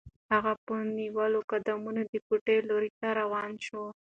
هغه په نیولو قدمونو د کوټې لوري ته روانه شوه.